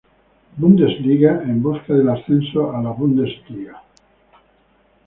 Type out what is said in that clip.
Bundesliga en busca del ascenso a la Bundesliga.